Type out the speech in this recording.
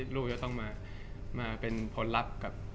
จากความไม่เข้าจันทร์ของผู้ใหญ่ของพ่อกับแม่